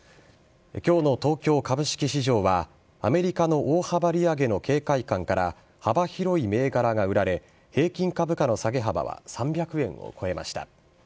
今日の東京株式市場はアメリカの大幅利上げの警戒感から幅広い銘柄が売られ平均株価の下げ幅は３００円を超えました。